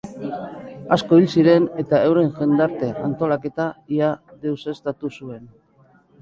Asko hil ziren eta euren jendarte-antolaketa ia deuseztatu zuen.